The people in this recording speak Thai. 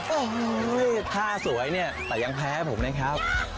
โอ้โหท่าสวยเนี่ยแต่ยังแพ้ผมนะครับ